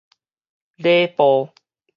禮部